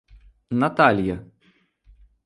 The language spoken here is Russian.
Наталья